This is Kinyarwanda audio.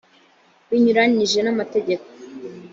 bunyuranije n amategeko